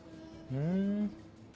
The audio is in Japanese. ふん。